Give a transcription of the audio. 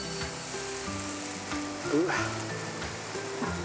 うわっ。